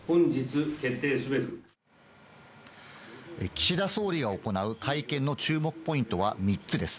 岸田総理が行う会見の注目ポイントは３つです。